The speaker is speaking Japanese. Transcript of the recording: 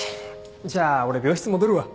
じゃあ俺病室戻るわ。